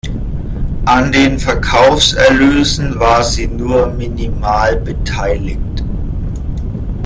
An den Verkaufserlösen war sie nur minimal beteiligt.